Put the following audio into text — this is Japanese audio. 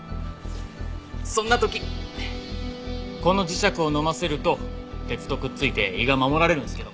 そんな時この磁石を飲ませると鉄とくっついて胃が守られるんですけど。